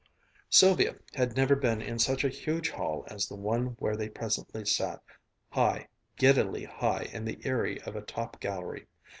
Sylvia had never been in such a huge hall as the one where they presently sat, high, giddily high in the eyrie of a top gallery.